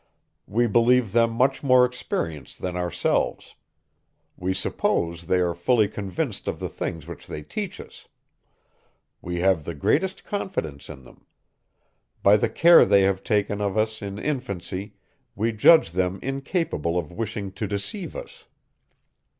We believe them much more experienced than ourselves; we suppose they are fully convinced of the things which they teach us; we have the greatest confidence in them; by the care they have taken of us in infancy, we judge them incapable of wishing to deceive us.